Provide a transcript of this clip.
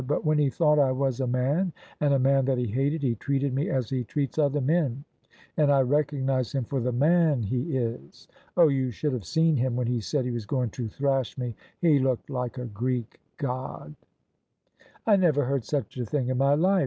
" But when he thought I was a man, and a man that he hated, he treated me as he treats other men, and I recognise him for the man he is. Oh, you should have seen him when he said he was going to thrash me; he looked like a Greek god!" " I never heard such a thing in my life